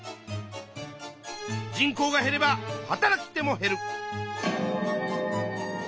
人口が減れば働き手も減る。